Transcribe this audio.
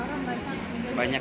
kebutuhan orang banyak